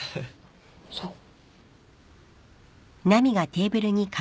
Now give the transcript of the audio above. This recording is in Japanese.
そう。